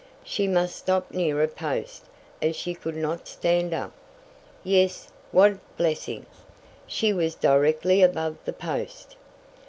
She must stop near a post, as she could not stand up! Yes, what blessing! She was directly above the post!